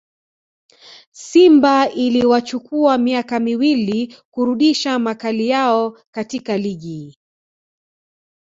simba iliwachukua miaka miwili kurudisha makali yao katika ligi